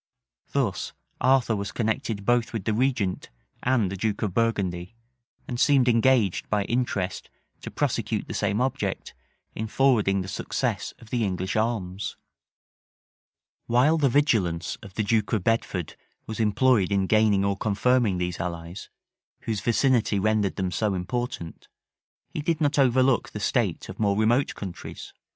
Thus Arthur was connected both with the regent and the duke of Burgundy, and seemed engaged by interest to prosecute the same object, in forwarding the success of the English arms. * Hall. fol. 84. Monstrelet, vol. i. p 4. Stowe, p. 364. While the vigilance of the duke of Bedford was employed in gaining or confirming these allies, whose vicinity rendered them so important, he did not overlook the state of more remote countries.